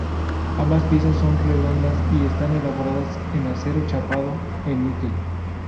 Ambas piezas son redondas y están elaboradas en acero chapado en níquel.